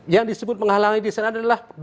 yang disebut penghalang disana adalah